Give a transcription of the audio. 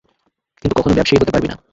কিন্তু কখনো ব্যবসায়ী হতে পারবি না।